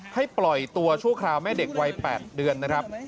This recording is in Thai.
ปล่อยตัวชั่วคราวแม่เด็กวัย๘เดือนนะครับ